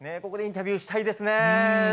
ここでインタビューしたいですね。